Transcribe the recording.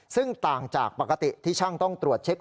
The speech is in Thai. ซึ่งต่างจากปกติที่ช่างต้องตรวจเช็ค